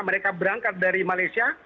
mereka berangkat dari malaysia